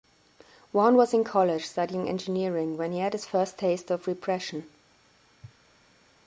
Wan was in college studying engineering when he had his first taste of repression.